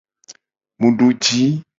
Mu du ji.